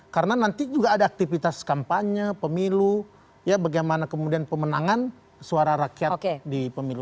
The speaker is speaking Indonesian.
karena nanti juga ada aktivitas kampanye pemilu ya bagaimana kemudian pemenangan suara rakyat di pemilu